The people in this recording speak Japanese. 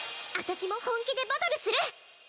私も本気でバトルする！